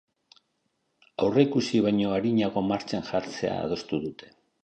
Aurreikusi baino arinago martxan jartzea adostu dute.